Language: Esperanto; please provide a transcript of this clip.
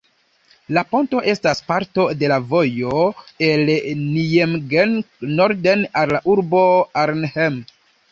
La ponto estas parto de la vojo el Nijmegen norden, al la urbo Arnhem.